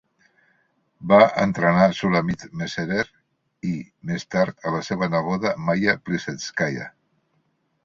Va entrenar Sulamith Messerer i, més tard, a la seva neboda Maia Plissétskaia.